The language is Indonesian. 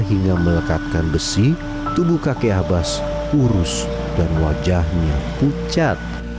hingga melekatkan besi tubuh kakek abbas urus dan wajahnya pucat